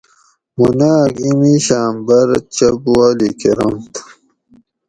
موں نایٔک ایں میشاۤں بۤر چپ والی کرانت